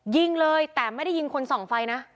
ยิงเลยแต่ไม่ได้ยิงคนส่องไฟนะ